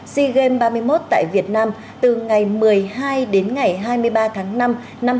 sea games ba mươi một tại việt nam từ ngày một mươi hai đến ngày hai mươi ba tháng năm năm hai nghìn hai mươi